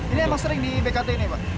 ini emang sering di bkt ini pak